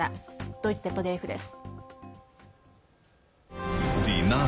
ドイツＺＤＦです。